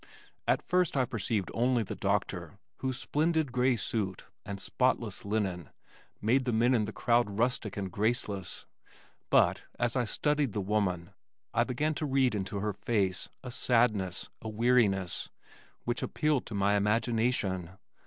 At first I perceived only the doctor whose splendid gray suit and spotless linen made the men in the crowd rustic and graceless, but as I studied the woman I began to read into her face a sadness, a weariness, which appealed to my imagination.